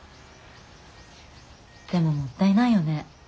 でももったいないよね。